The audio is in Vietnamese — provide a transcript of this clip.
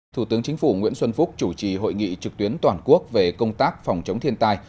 thủ tướng chính phủ nguyễn xuân phúc chủ trì hội nghị trực tuyến toàn quốc về công tác phòng chống thiên tai